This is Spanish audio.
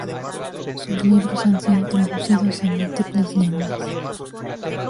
Sus libros han sido traducidos a múltiples lenguas.